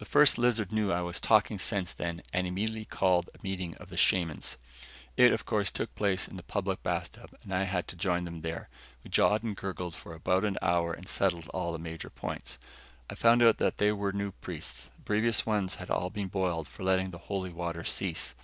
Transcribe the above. The First Lizard knew I was talking sense then and immediately called a meeting of the shamans. It, of course, took place in the public bathtub and I had to join them there. We jawed and gurgled for about an hour and settled all the major points. I found out that they were new priests; the previous ones had all been boiled for letting the Holy Waters cease.